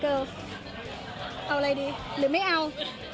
กะลาอะไรดีหรือไม่เอา